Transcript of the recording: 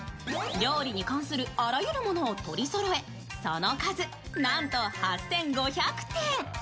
料理に関するあらゆるものをとりそろえ、その数なんと８５００点。